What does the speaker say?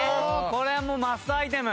これはもうマストアイテム。